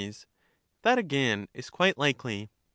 That, again, is quite likely.